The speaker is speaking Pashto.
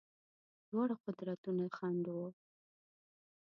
دواړه قدرتونه خنډ وه.